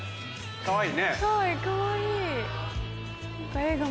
かわいい。